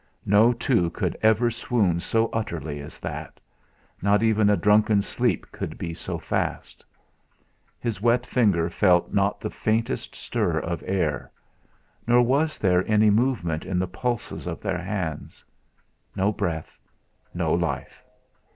No two could ever swoon so utterly as that; not even a drunken sleep could be so fast. His wet finger felt not the faintest stir of air, nor was there any movement in the pulses of their hands. No breath! No life!